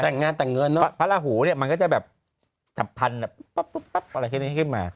แต่งงานแต่งเงินเนอะพระราหูเนี่ยมันก็จะแบบจับพันปั๊บอะไรแค่นี้ขึ้นมา